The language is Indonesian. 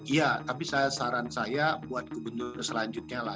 iya tapi saran saya buat gubernur selanjutnya lah